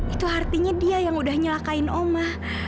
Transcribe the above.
itu artinya dia yang udah nyelakain oma